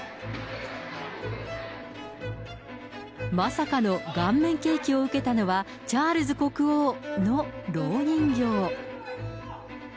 まさかの顔面ケーキを受けたのは、チャールズ国王のろう人形。